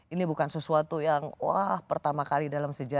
ini bukan sesuatu yang wah pertama kali dalam sejarah